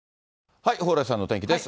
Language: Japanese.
蓬莱さんのお天気です。